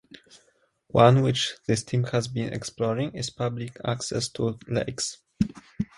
One which this team has been exploring is public access to lakes.